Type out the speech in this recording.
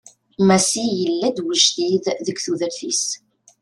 Massi yella-d ujdid deg tudert-is.